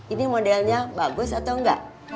ini modelnya bagus atau enggak